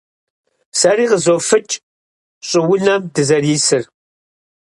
Сэри къызофыкӀ щӀыунэм дызэрисыр.